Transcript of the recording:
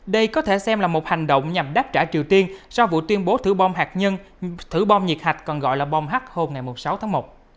đây có thể xem là một hành động nhằm đáp trả triều tiên sau vụ tuyên bố thử bom hạt nhân thử bom nhiệt hạch còn gọi là bom hắc hôm ngày sáu tháng một